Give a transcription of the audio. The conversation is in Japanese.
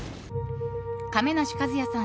亀梨和也さん